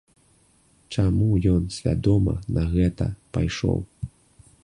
Чаму ён свядома на гэта пайшоў?